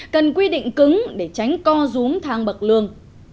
cần quy định cứng để tránh co rú thang bậc lương